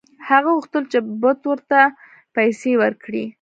هغه غوښتل چې بت ورته پیسې ورکړي.